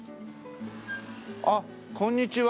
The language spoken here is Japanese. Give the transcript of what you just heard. あっこんにちは。